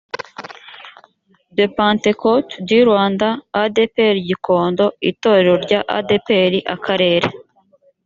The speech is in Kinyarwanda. de pantecote du rwanda adepr gikondo itorero rya adepr akarere